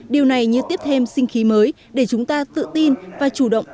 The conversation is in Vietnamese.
điều này như tiếp thêm sinh khí mới để chúng ta tự tin và chủ động